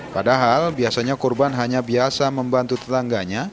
padahal biasanya korban hanya biasa membantu tetangganya